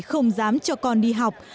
không dám cho con đi học